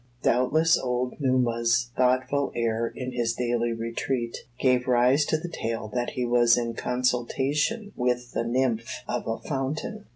Doubtless old Numa's thoughtful air in his daily retreat, gave rise to the tale that he was in consultation with the nymph of a fountain.